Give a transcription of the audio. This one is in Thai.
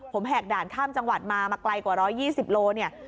ผมแหกด่านข้ามจังหวัดมามาไกลกว่า๑๒๐โลเนี่ย